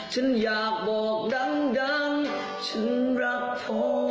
ฉันอยากบอกดังฉันรักเธอ